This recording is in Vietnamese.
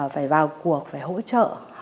phải vào cuộc phải hỗ trợ